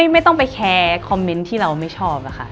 ไม่ต้องไปแคร์คอมเมนต์ที่เราไม่ชอบค่ะ